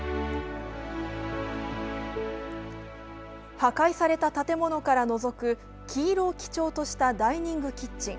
破壊された建物からのぞく黄色を基調としたダイニングキッチン。